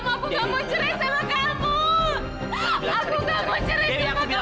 aku nggak mau cerai sama kamu